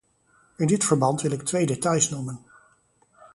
In dit verband wil ik twee details noemen.